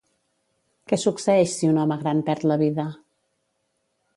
Què succeeix si un home gran perd la vida?